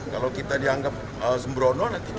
kalau kita dianggap sembrono nanti dia ragu